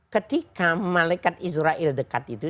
ketika malaikat israel dekat itu